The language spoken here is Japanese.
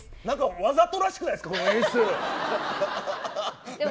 わざとらしくないですかこの演出。